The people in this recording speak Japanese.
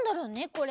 これ。